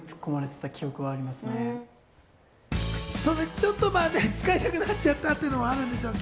ちょっと使いたくなっちゃったっていうのがあるんでしょうけど。